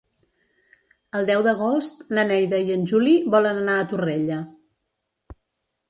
El deu d'agost na Neida i en Juli volen anar a Torrella.